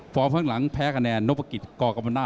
ฝ่ายแดงโนภกิตกกำลัง